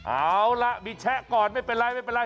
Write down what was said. เอาละมีแชะก่อนไม่เป็นไร